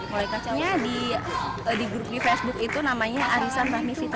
mulai kacau di grup di facebook itu namanya arisan rahmi fitria